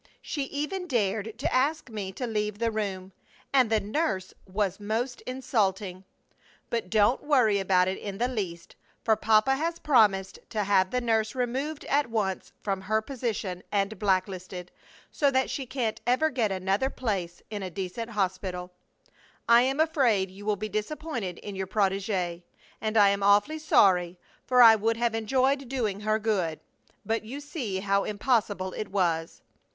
She even dared to ask me to leave the room. And the nurse was most insulting. But don't worry about it in the least, for papa has promised to have the nurse removed at once from her position, and blacklisted, so that she can't ever get another place in a decent hospital. I am afraid you will be disappointed in your protegée, and I am awfully sorry, for I would have enjoyed doing her good; but you see how impossible it was.